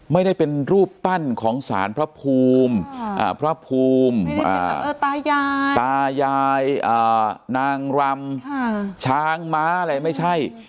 ไม่ได้เป็นรูปปั้นของสารพระภูมิพระภูมิตายายนางรำช้างม้าอะไรไม่ใช่